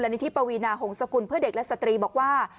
นิธิปวีนาหงษกุลเพื่อเด็กและสตรีบอกว่า